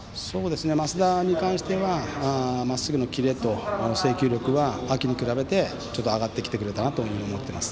升田に関してはまっすぐのキレと制球力は秋に比べて上がってきてくれたなと思います。